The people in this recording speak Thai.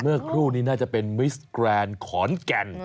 เมื่อครู่นี้น่าจะเป็นมิสแกรนด์ขอนแก่น